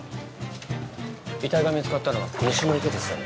遺体が見つかったのは西の池ですよね